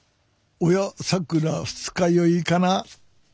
おやさくらは二日酔いかな？